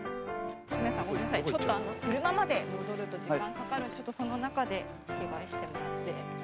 小宮さん、ごめんなさい、ちょっと車まで戻ると時間がかかるので、ちょっとこの中でお着替えしてもらって。